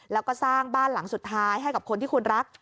แล้วก็สร้างบ้านหลังสุดท้ายให้กับคนที่คุณรัก